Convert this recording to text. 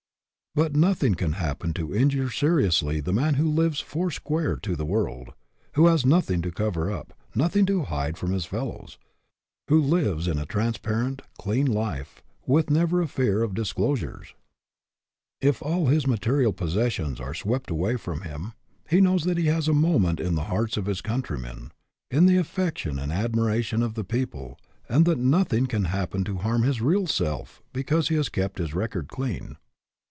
But nothing can happen to injure seriously the man who lives four square to the world; who has nothing to cover up, nothing to hide from his fellows; who lives a transparent, clean life, with never a fear of disclosures. If all of his i 3 4 STAND FOR SOMETHING material possessions are swept away from him, he knows that he has a monument in the hearts of his countrymen, in the affection and admiration of the people, and that nothing can happen to harm his real self because he has kept his record clean.